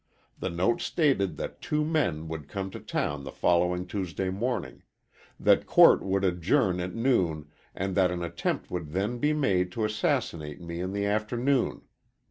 The note stated that two men would come to town the following Tuesday morning; that court would adjourn at noon and that an attempt would then be made to assassinate me in the afternoon.